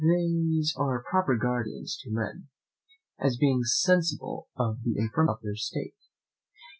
These are proper guardians to men, as being sensible of the infirmity of their State.